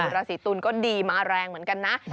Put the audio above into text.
ราศีตุลก็ดีมาแรงเหมือนกันนะ